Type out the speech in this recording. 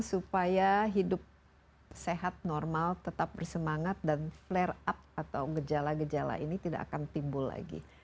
supaya hidup sehat normal tetap bersemangat dan flare up atau gejala gejala ini tidak akan timbul lagi